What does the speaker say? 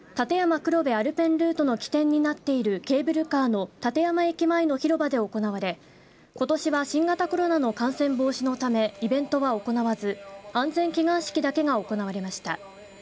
黒部アルペンルートの起点になっているケーブルカーの立山駅前の広場で行われことしは新型コロナの感染防止のためイベントは行わず安全祈願式だけが行われました。